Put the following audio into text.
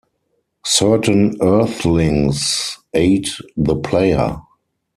Certain Earthlings aid the player.